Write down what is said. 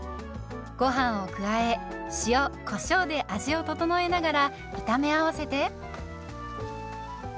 ごはんを加え塩こしょうで味を調えながら炒め合わせて。